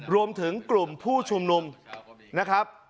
รวมถึงกลุ่มผู้ชุมนุมนะครับ